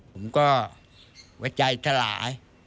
ผมก็ว่าใจหลาย